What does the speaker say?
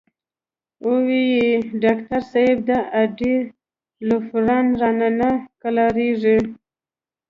او وې ئې " ډاکټر صېب د اډې لوفران رانه نۀ قلاریږي